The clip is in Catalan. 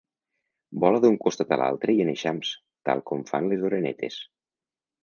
Vola d'un costat a l'altre i en eixams, tal com fan les orenetes.